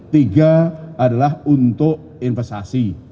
tiga adalah untuk investasi